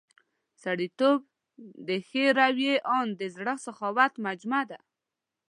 سړیتوب د ښې رويې او د زړه سخاوت مجموعه ده.